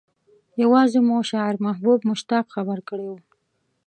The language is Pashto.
يوازې مو شاعر محبوب مشتاق خبر کړی و.